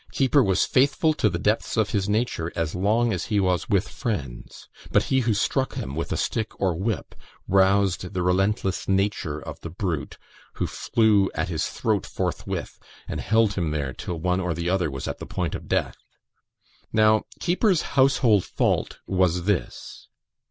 Keeper was faithful to the depths of his nature as long as he was with friends; but he who struck him with a stick or whip, roused the relentless nature of the brute, who flew at his throat forthwith, and held him there till one or the other was at the point of death. Now Keeper's household fault was this.